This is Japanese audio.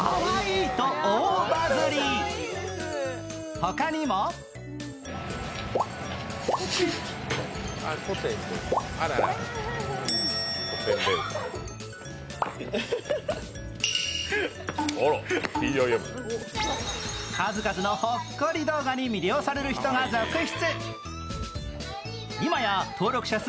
ほかにも数々のほっこり動画に魅了される人続出。